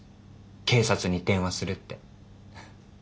「警察に電話する」って。